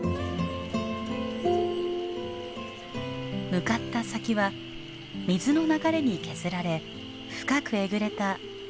向かった先は水の流れに削られ深くえぐれた木の根元。